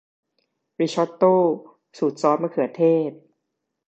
ริซอตโต้สูตรซอสมะเขือเทศ